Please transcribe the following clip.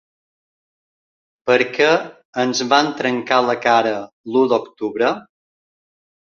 Per què ens vam trencar la cara l’u d’octubre?